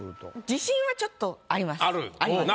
自信はちょっとあります。